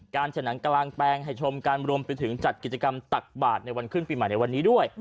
ฉนังกลางแปลงให้ชมกันรวมไปถึงจัดกิจกรรมตักบาทในวันขึ้นปีใหม่ในวันนี้ด้วย